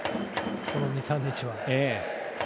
この２３日は。